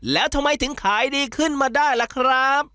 แล้วทำไมถึงขายดีขึ้นมาได้ล่ะครับ